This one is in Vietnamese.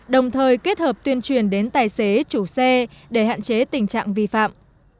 đồng thời kết hợp tuyên truyền đến tài xế chủ xe để hạn chế tình trạng vi phạm